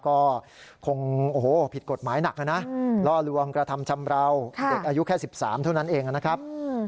ก็คงโอ้โหผิดกฎหมายหนักนะล่อลวงกระทำชำราวเด็กอายุแค่๑๓เท่านั้นเองนะครับ